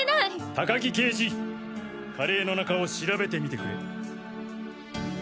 高木刑事カレーの中を調べてみてくれ。